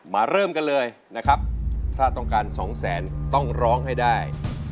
เริ่มกันเลยนะครับถ้าต้องการสองแสนต้องร้องให้ได้